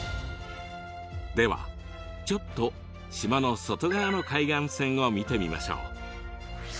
ではちょっと島の外側の海岸線を見てみましょう。